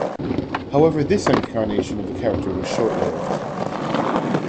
However, this incarnation of the character was short-lived.